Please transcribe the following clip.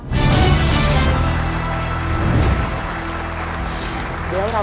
จิตตะสังวโรครับ